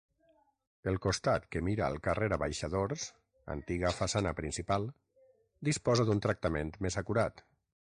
El costat que mira al carrer Abaixadors -antiga façana principal- disposa d'un tractament més acurat.